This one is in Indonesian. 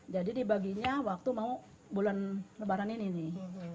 jadi dibaginya waktu mau bulan lebaran ini nih